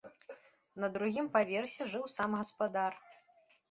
На другім паверсе жыў сам гаспадар.